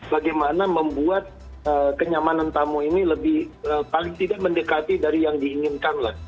bagaimana membuat kenyamanan tamu ini lebih paling tidak mendekati dari yang diinginkan lah